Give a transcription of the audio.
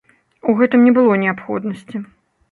У гэтым не было неабходнасці.